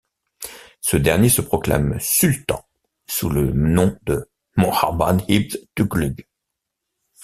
Ce dernier se proclame sultan sous le nom de Muhammad ibn Tughluq.